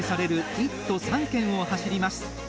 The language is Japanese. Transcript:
１都３県を走ります。